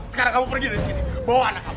sekarang kamu pergi dari sini bawa anak kamu